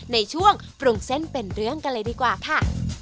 ในช่วงปรุงเส้นเป็นเรื่องกันเลยดีกว่าค่ะ